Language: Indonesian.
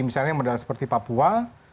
misalnya yang berada seperti papua